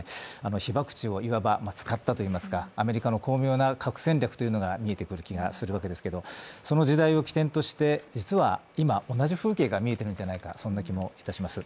被爆地をいわば使ったといいますか、アメリカの巧妙な核戦略が見えてくる気がするわけですけどその時代を起点として実は今同じ風景が見えているんじゃないかそんな気もいたします。